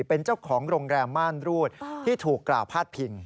เป็นเจ้าของโรงแรมม่านรูดที่ถูกกล่าวพาดพิง